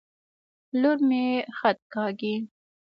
لور مي خط کاږي.